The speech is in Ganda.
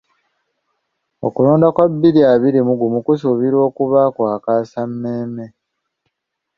Okulonda kwa bbiri abiri mu gumu kusuubirwa okuba okwakaasammeeme.